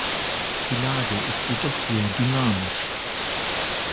Die Lage ist jedoch sehr dynamisch.